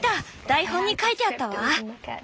台本に書いてあったわ！